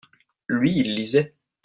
lui, il lisait.